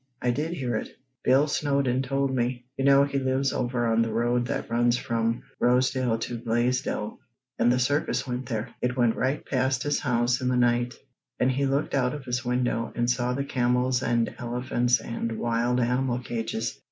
"I did hear it! Bill Snowden told me. You know he lives over on the road that runs from Rosedale to Blaisdell and the circus went there. It went right past his house in the night, and he looked out of his window and saw the camels and elephants and wild animal cages."